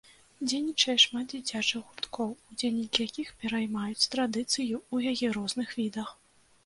Дзейнічае шмат дзіцячых гурткоў, удзельнікі якіх пераймаюць традыцыю ў яе розных відах.